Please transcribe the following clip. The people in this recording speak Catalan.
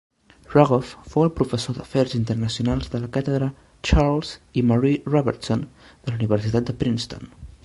Rogoff fou el professor d'Afers Internacionals de la càtedra Charles i Marie Robertson de la Universitat de Princeton.